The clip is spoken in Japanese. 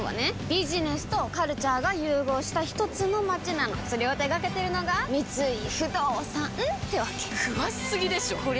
ビジネスとカルチャーが融合したひとつの街なのそれを手掛けてるのが三井不動産ってわけ詳しすぎでしょこりゃ